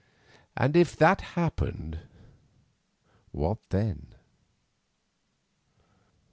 And if that happened, what then?